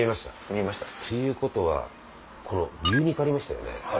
見えました？ということはこの牛肉ありましたよね。